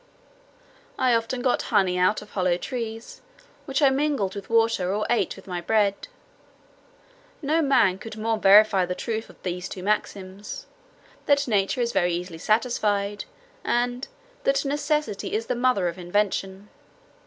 I often got honey out of hollow trees, which I mingled with water, or ate with my bread. No man could more verify the truth of these two maxims, "That nature is very easily satisfied;" and, "That necessity is the mother of invention."